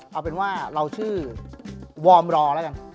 เอาเป็นว่าเราชื่อวอร์มรอแล้วกัน